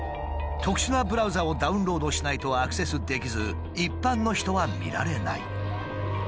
特殊なブラウザをダウンロードしないとアクセスできず一般の人は見られない。